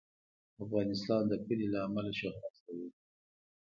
افغانستان د کلي له امله شهرت لري.